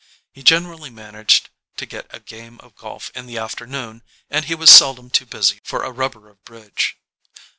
He generally managed to get a game of golf in the afternoon and he was seldom too busy for a rubber of bridge.